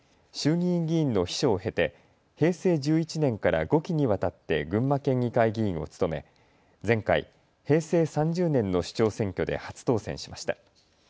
衆議院議員の秘書を経て平成１１年から５期にわたって群馬県議会議員を務め前回、平成３０年の市長選挙で初当選しました。